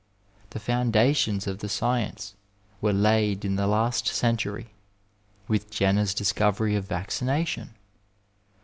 The foundations of the science were laid in the last century with Jenner's discovery of vaccina tion.